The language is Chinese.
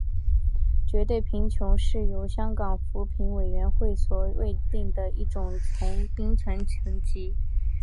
绝对贫穷是由香港扶贫委员会所界定的一种贫穷层级。